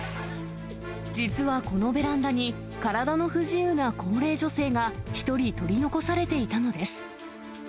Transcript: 実はこのベランダに、体の不自由な高齢女性が１人取り残されていたのです。